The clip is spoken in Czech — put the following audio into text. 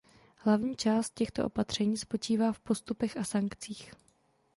Hlavní část těchto opatření spočívá v postupech a sankcích.